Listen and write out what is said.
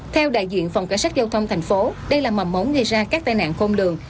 theo đại diện phòng cảnh sát giao thông thành phố đây là mầm mống gây ra các tai nạn khôn lường